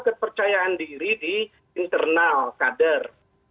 kepercayaan diri di internal kader